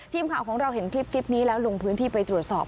ทีมข่าวของเราเห็นคลิปนี้แล้วลงพื้นที่ไปตรวจสอบ